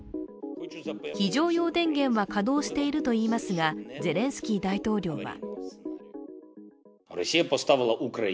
非常用電源は稼動しているといいますが、ゼレンスキー大統領は。